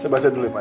saya baca dulu pak